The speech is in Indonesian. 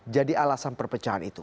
jadi alasan perpecahan itu